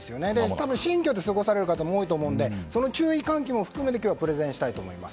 たぶん、新居で過ごされる方も多いと思うので注意喚起も含めてプレゼンしたいと思います。